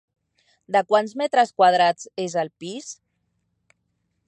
De quants metres quadrats és el pis?